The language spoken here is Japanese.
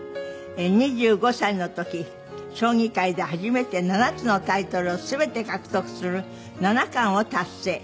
２５歳の時将棋界で初めて７つのタイトルを全て獲得する七冠を達成。